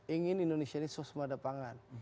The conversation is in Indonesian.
ingin indonesia ini susmada pangan